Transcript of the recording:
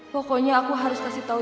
pokoknya aku harus kasih tau